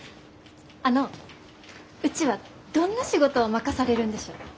あのうちはどんな仕事を任されるんでしょう？